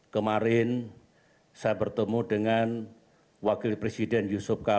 kemarin saya bertemu dengan wakil presiden yusuf kala